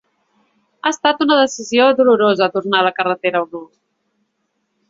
Ha estat una decisió dolorosa, tornar a la carretera o no...